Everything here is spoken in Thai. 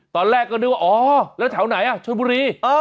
ตอนแรกก็นึกว่าอ๋อแล้วแถวไหนชนบุรี